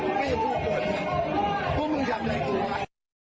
กูไม่ได้ถูกปฏิพวกมึงทำอะไรกูไม่ได้